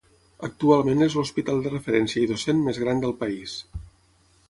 Actualment és l'hospital de referència i docent més gran del país.